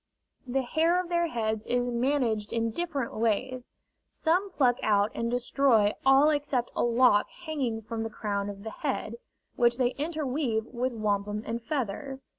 The hair of their heads is managed in different ways: some pluck out and destroy all except a lock hanging from the crown of the head, which they interweave with wampum and feathers.